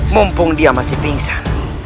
mumpung dia masih pingsan